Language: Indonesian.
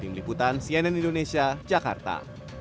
tim liputan cnn indonesia jakarta